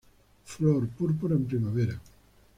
Flor púrpura en primavera.